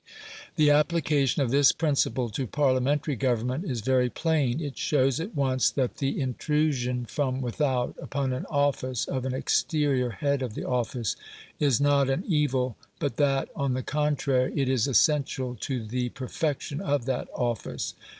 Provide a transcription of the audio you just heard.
The application of this principle to Parliamentary government is very plain; it shows at once that the intrusion from without upon an office of an exterior head of the office, is not an evil, but that, on the contrary, it is essential to the perfection of that office.